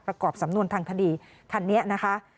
ประกอบสำนวนทางคดีคันนี้นะคะ